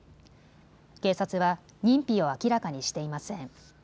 警察は認否を明らかにしていません。